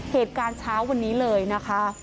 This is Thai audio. เหตุการณ์เช้าวันนี้เลยนะคะ